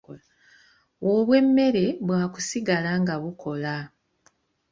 Obw’emmere bwakusigala nga bukola.